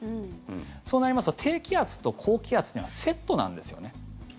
そうなりますと低気圧と高気圧はセットなんですよね。